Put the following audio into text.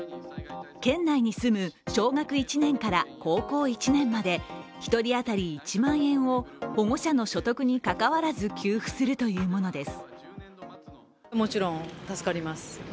県内に住む小学１年から高校１年まで、１人当たり１万円を保護者の所得に関わらず給付するというものです。